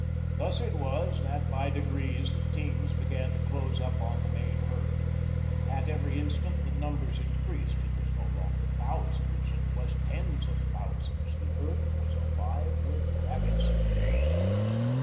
Thus it was, that by degrees the teams began to close up on the main herd. At every instant the numbers increased. It was no longer thousands, it was tens of thousands. The earth was alive with rabbits.